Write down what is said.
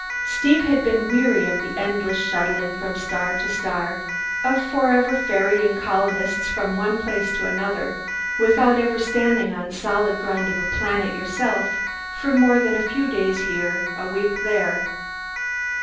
Steve had been weary of the endless shuttling from star to star, of forever ferrying colonists from one place to another without ever standing on the solid ground of a planet yourself for more than a few days here, a week there.